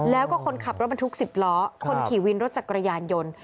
แล้วก็คนขับรถบรรทุก๑๐ล้อคนขี่วินรถจักรยานยนต์